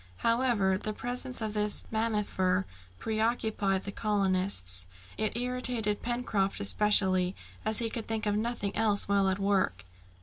However, the presence of this mammifer preoccupied the colonists. It irritated Pencroft especially as he could think of nothing else while at work.